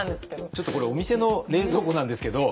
ちょっとこれお店の冷蔵庫なんですけど。